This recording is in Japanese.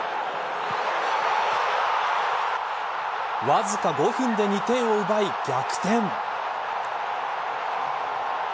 わずか５分で２点を奪い、逆転。